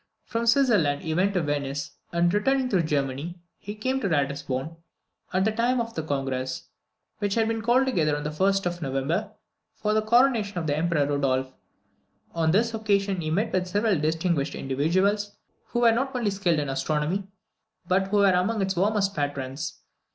From Switzerland he went to Venice, and, in returning through Germany, he came to Ratisbon, at the time of the congress, which had been called together on the 1st of November, for the coronation of the Emperor Rudolph. On this occasion he met with several distinguished individuals, who were not only skilled in astronomy, but who were among its warmest patrons.